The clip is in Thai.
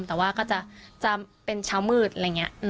แต่ว่าก็จะเป็นเช้ามืดอะไรอย่างนี้